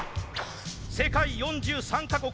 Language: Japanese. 世界４３か国